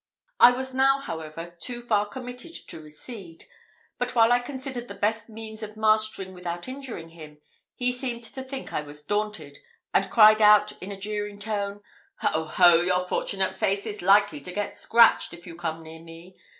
I was now, however, too far committed to recede; but while I considered the best means of mastering without injuring him, he seemed to think I was daunted, and cried out, in a jeering tone, "Ho, ho! your fortunate face is likely to get scratched, if you come near me.